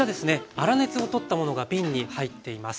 粗熱を取ったものが瓶に入っています。